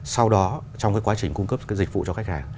sau đó trong quá trình cung cấp dịch vụ cho khách hàng